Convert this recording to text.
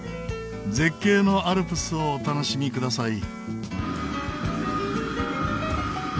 絶景のアルプスをお楽しみください。